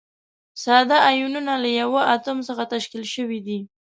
ساده ایونونه له یوه اتوم څخه تشکیل شوي دي.